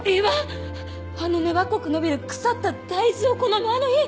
あの粘っこく伸びる腐った大豆を好むあのい。